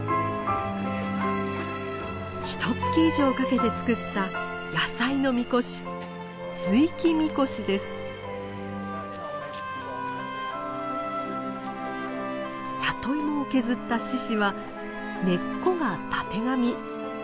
ひとつき以上かけて作った野菜の神輿里芋を削った獅子は「根っこ」が「たてがみ」。